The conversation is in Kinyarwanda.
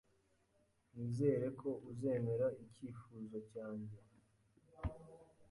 Nizere ko uzemera icyifuzo cyanjye.